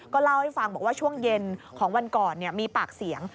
เล่าให้ฟังบอกว่าช่วงเย็นของวันก่อนมีปากเสียง